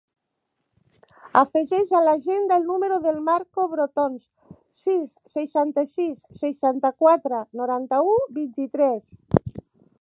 Afegeix a l'agenda el número del Marco Brotons: sis, seixanta-sis, seixanta-quatre, noranta-u, vint-i-tres.